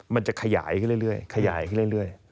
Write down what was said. มันจะขยายเรื่อย